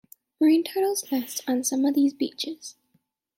Marine turtles nest on some of these beaches.